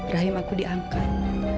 rahim aku diangkat